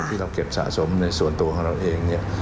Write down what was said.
ที่เราเก็บสะสมในส่วนตัวของเราเองเนี่ย